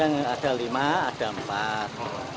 ada lima ada empat